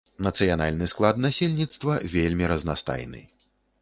Нацыянальны склад насельніцтва вельмі разнастайны.